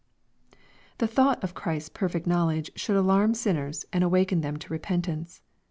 The thought of Christ's perfect knowledge should alarm sinners and awaken them to repentance.